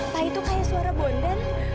pak itu kaya suara bonden